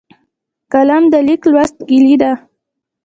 قلم د لیک لوست کلۍ ده